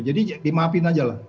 jadi dimahamin aja lah